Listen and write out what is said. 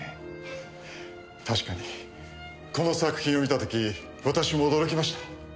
確かにこの作品を見た時私も驚きました。